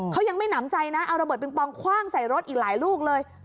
เขายังไม่หนำใจนะเอาระเบิงปองคว่างใส่รถอีกหลายลูกเลย